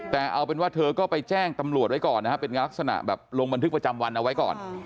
แต่เอาเป็นว่าเธอก็ไปแจ้งตำรวจไว้ก่อนนะครับเป็นลักษณะแบบลงบันทึกประจำวันเอาไว้ก่อน